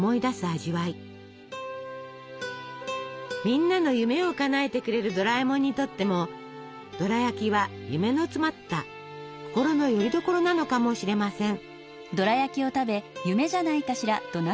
みんなの夢をかなえてくれるドラえもんにとってもドラやきは夢の詰まった心のよりどころなのかもしれません。